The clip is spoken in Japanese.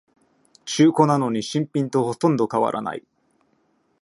中古なのに新品とほとんど変わらない